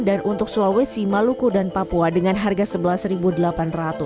dan untuk sulawesi maluku dan papua dengan harga rp sebelas delapan ratus